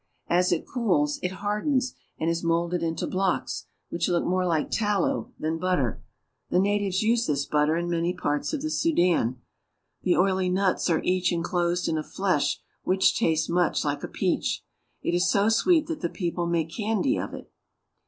As it cools it hardens and is molded into blocks which look more like tallow than butter. The natives use this butter in many parts of the Sudan. The oily nuts are each inclosed in a flesh which tastes much like a peachy It is so sweet that the people make candy of it.